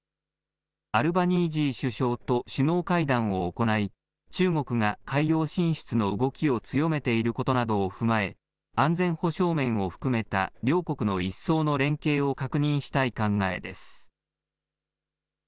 アルバニージー首相と首脳会談を行い、中国が海洋進出の動きを強めていることなどを踏まえ、安全保障面を含めた両国の一層の連携を確認したい考えです。